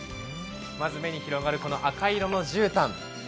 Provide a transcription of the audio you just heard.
まず目に広がる赤紅色のじゅうたん。